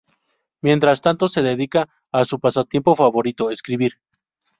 Mientras tanto se dedica a su pasatiempo favorito: escribir.